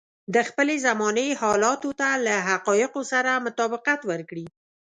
د خپلې زمانې حالاتو ته له حقايقو سره مطابقت ورکړي.